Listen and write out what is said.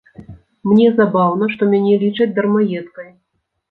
Мне забаўна, што мяне лічаць дармаедкай.